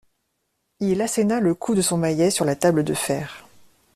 Il asséna le coup de son maillet sur la table de fer.